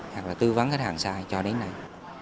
hoặc là tư vấn hết hàng sai cho đến nay